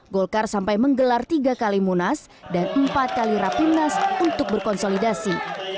golkar sampai menggelar tiga kali munas dan empat kali rapimnas untuk berkonsolidasi